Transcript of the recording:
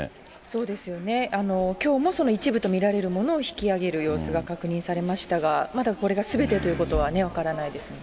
そうですよね、きょうもその一部と見られるものを引き揚げる様子が確認されましたが、まだこれがすべてということは分からないです。